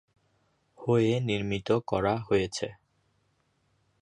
হয়ে নির্মিত করা হয়েছে।